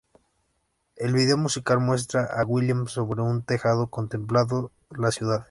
El video musical muestra a Williams sobre un tejado contemplando la ciudad.